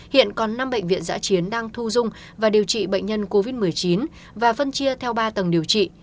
hiện còn năm bệnh viện giã chiến đang thu dung và điều trị bệnh nhân covid một mươi chín và phân chia theo ba tầng điều trị